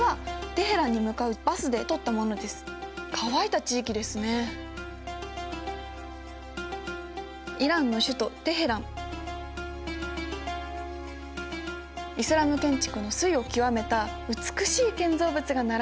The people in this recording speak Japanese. イスラム建築の粋を極めた美しい建造物が並ぶ古都です。